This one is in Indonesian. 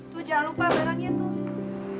tuh jangan lupa barangnya tuh